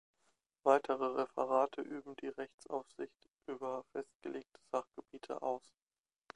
Weitere Referate üben die Rechtsaufsicht über festgelegte Sachgebiete aus.